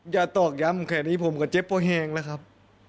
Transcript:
อย่าตอกย้ำแค่นี้ผมก็เจ็บแห้งซะครับ